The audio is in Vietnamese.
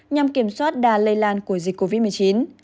nhằm kiểm soát đà lây lan của dịch covid một mươi chín